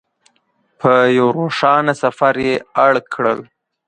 په یوه روښانه سفر یې اړ کړل.